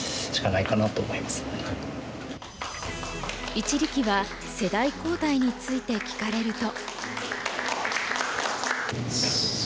一力は世代交代について聞かれると。